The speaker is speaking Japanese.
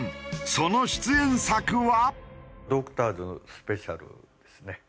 その出演作は？